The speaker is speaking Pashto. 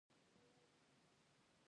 را و پېچ، څنګه مې مخ را وګرځاوه.